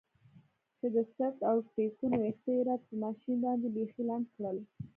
چې د څټ او ټېکونو ويښته يې راته په ماشين باندې بيخي لنډ کړل.